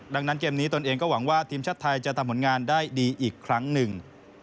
ดังนั้นเกมนี้ตนเองก็หวังว่าทีมชาติไทยจะทำผลงานได้ดีอีกครั้งหนึ่ง